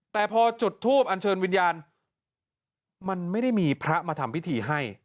แต่พอจุดทูปอันเชิญวิญญาณมันไม่ได้มีพระมาทำพิธีให้